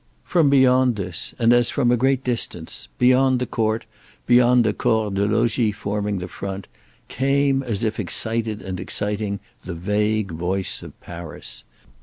From beyond this, and as from a great distance—beyond the court, beyond the corps de logis forming the front—came, as if excited and exciting, the vague voice of Paris.